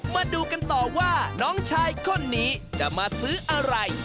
มาดูกันต่อว่าน้องชายคนนี้จะมาซื้ออะไร